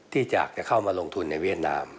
ที่จะเข้ามาลงทุนในเวียดนาม